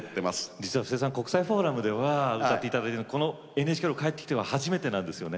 実は布施さん国際フォーラムでは歌って頂いててこのＮＨＫホール帰ってきては初めてなんですよね。